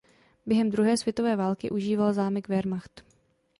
Během druhé světové války užíval zámek wehrmacht.